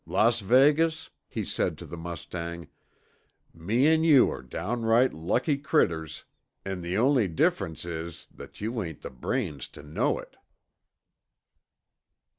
"Las Vegas," he said to the mustang, "me an' you are downright lucky critters, an' the only difference is that you ain't the brains tuh know it."